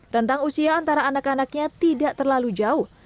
rentang usia antara anak anaknya tidak terlalu jauh